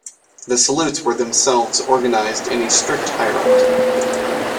The salutes were themselves organised in a strict hierarchy.